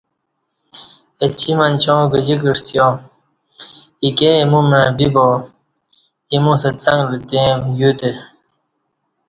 اچی منچاں گجی کعسِیا ایکی ایمو مع بیبا اِیمُو ستہ څنگ لتریں یوتہ۔